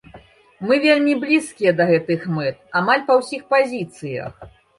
Мы вельмі блізкія да гэтых мэт, амаль па ўсіх пазіцыях.